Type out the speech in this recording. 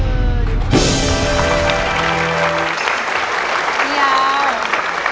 พี่ยาว